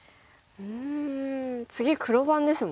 うん次黒番ですもんね。